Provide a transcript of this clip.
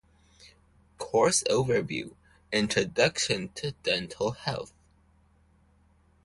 Course Overview: Introduction to Dental Health